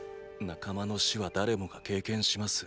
仲間の死は誰もが経験します。